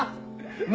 何？